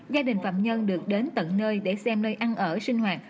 gia đình phạm nhân được đến tận nơi để xem nơi ăn ở sinh hoạt